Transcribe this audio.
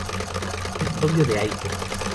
Es novio de Aiko.